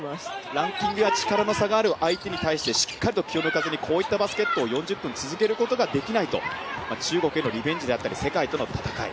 ランキングや力の差がある相手に対してしっかりと気を抜かずにこういったバスケットを４０分、続けることができないと中国へのリベンジであったり世界との戦い